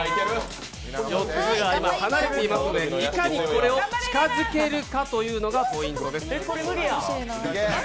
４つが今、離れていますので、いかにこれを近づけるかというのがポイントです。